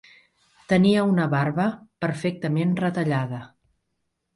Tenia una barba perfectament retallada.